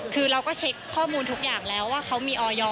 คือเราก็เช็คข้อมูลทุกอย่างแล้วว่าเขามีออย